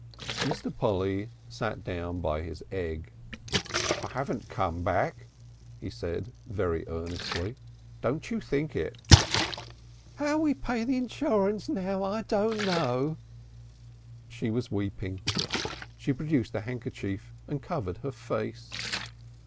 Mr. Polly sat down by his egg. "I haven't come back," he said very earnestly. "Don't you think it." "'Ow we'll pay back the insurance now I don't know." She was weeping. She produced a handkerchief and covered her face.